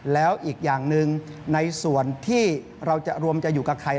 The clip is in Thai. แล้วอีกอย่างหนึ่งในส่วนที่เราจะรวมจะอยู่กับใคร